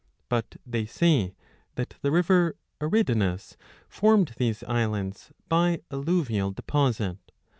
But they say that the river Eridanus 2 formed these islands by alluvial deposit.